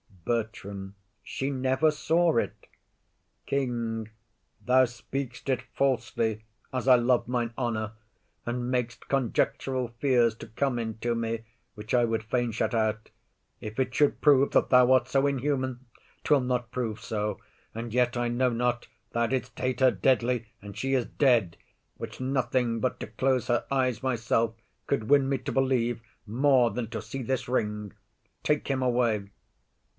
BERTRAM. She never saw it. KING. Thou speak'st it falsely, as I love mine honour, And mak'st conjectural fears to come into me Which I would fain shut out. If it should prove That thou art so inhuman,—'twill not prove so: And yet I know not, thou didst hate her deadly. And she is dead; which nothing but to close Her eyes myself, could win me to believe More than to see this ring. Take him away.